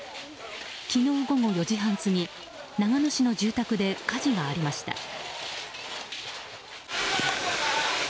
昨日午後４時半過ぎ長野市の住宅で火事がありました。